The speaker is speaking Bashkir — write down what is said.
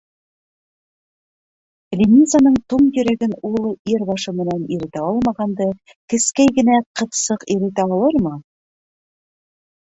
Линизаның туң йөрәген ул, ир башы менән, иретә алмағанды, кескәй генә ҡыҙсыҡ иретә алырмы?